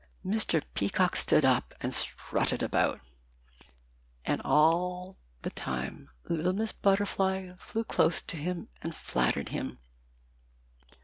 Mr. Peacock stood up and strutted about, and all the time little Miss Butterfly flew close to him and flattered him.